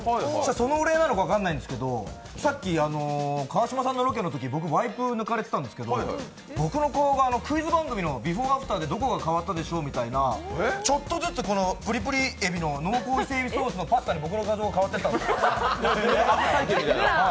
そのお礼なのか分からないですけど、さっき川島のさんのロケのとき僕、ワイプ抜かれてたんですけど僕の顔がクイズ番組のビフォー・アフターでどこが変わったでしょうみたいな、ちょっとずつ僕の顔がぷりぷり海老の濃厚イセエビソースパスタに変わってたんですよ。